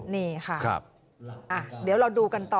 นี่ค่ะเดี๋ยวเราดูกันต่อ